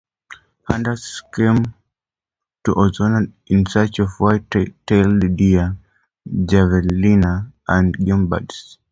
Hunters come to Ozona in search of white-tailed deer, javelina, and game birds.